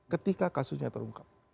ketika kasusnya terungkap